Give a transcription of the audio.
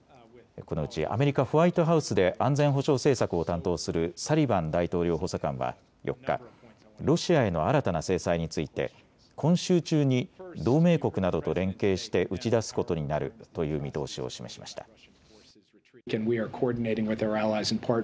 このうちアメリカ・ホワイトハウスで安全保障政策を担当するサリバン大統領補佐官は４日、ロシアへの新たな制裁について今週中に同盟国などと連携して打ち出すことになるという見通しを示しました。